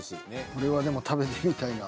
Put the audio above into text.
これはでも食べてみたいな。